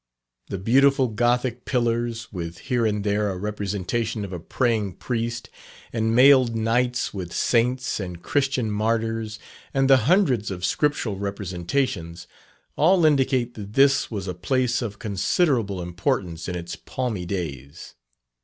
The beautiful gothic pillars, with here and there a representation of a praying priest, and mailed knights, with saints and Christian martyrs, and the hundreds of Scriptural representations, all indicate that this was a place of considerable importance in its palmy days.